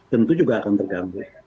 tentu juga akan terganggu